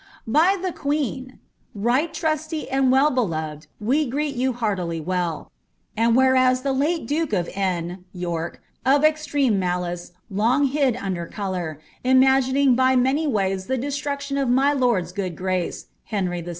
«" By the Queen. Right tmsty and well beloved, we greet you heartily well. * And whereas the late duke of N ' (York), of extreme malice, long hid «Bder eokmr, imagining by many ways the destmetion of my lord's good graee (Heniy VI.)